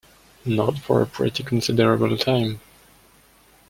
Not for a pretty considerable time.